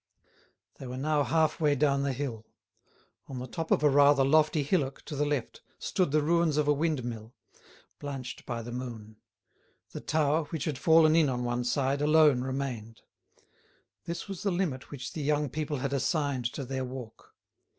They were now half way down the hill. On the top of a rather lofty hillock to the left stood the ruins of a windmill, blanched by the moon; the tower, which had fallen in on one side, alone remained. This was the limit which the young people had assigned to their walk.